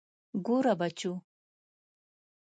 ګوره بچو.